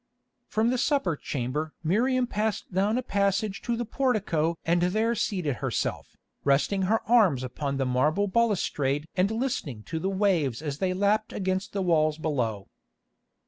From the supper chamber Miriam passed down a passage to the portico and there seated herself, resting her arms upon the marble balustrade and listening to the waves as they lapped against the walls below.